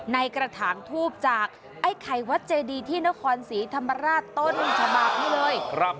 ในกระถางทูบจากไอ้ไข่วัดเจดีที่นครศรีธรรมราชต้นฉบับนี้เลย